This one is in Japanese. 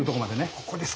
ここです